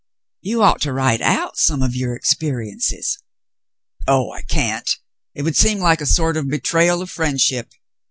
"You ought to write out some of your experiences." "Oh, I can't. It would seem like a sort of betrayal of friendship.